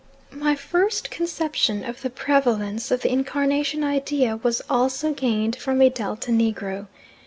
My first conception of the prevalence of the incarnation idea was also gained from a Delta negro.